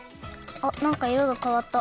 あっなんかいろがかわった。